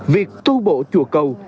việc tu bộ chùa cầu